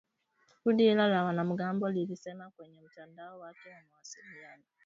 Kundi hilo la wanamgambo lilisema kwenye mtandao wake wa mawasiliano